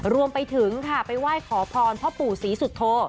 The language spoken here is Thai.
รวมไปถึงค่ะไปไหว้ขอพรพ่อปู่ศรีสุโธ